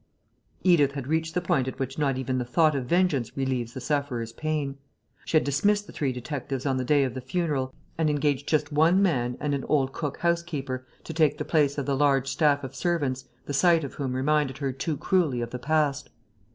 Edith had reached the point at which not even the thought of vengeance relieves the sufferer's pain. She had dismissed the three detectives on the day of the funeral and engaged just one man and an old cook housekeeper to take the place of the large staff of servants the sight of whom reminded her too cruelly of the past.